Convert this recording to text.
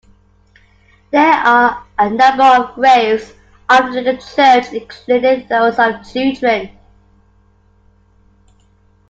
There are a number of graves under the church, including those of children.